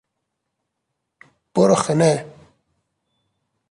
برو خونه!